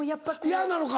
嫌なのか。